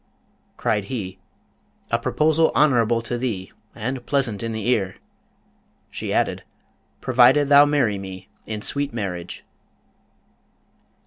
Cried he, 'A proposal honourable to thee, and pleasant in the ear.' She added, 'Provided thou marry me in sweet marriage.'